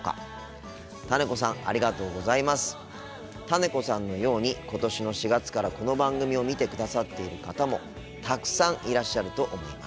ねこさんのように今年の４月からこの番組を見てくださってる方もたくさんいらっしゃると思います。